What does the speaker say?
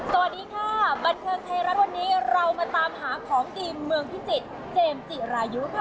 สวัสดีค่ะบันเทิงไทยรัฐวันนี้เรามาตามหาของดีเมืองพิจิตรเจมส์จิรายุค่ะ